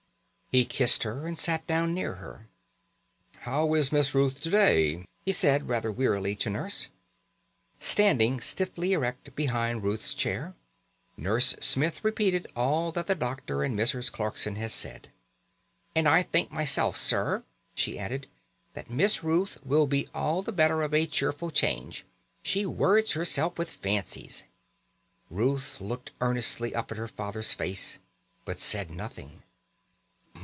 He kissed her and sat down near her. "How is Miss Ruth to day?" he said rather wearily to Nurse. Standing stiffly erect behind Ruth's chair, Nurse Smith repeated all that the doctor and Mrs. Clarkson had said. "And I think myself, sir," she added, "that Miss Ruth will be all the better of a cheerful change. She worrits herself with fancies." Ruth looked earnestly up at her father's face, but said nothing.